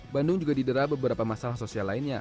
bandung juga didera beberapa masalah sosial lainnya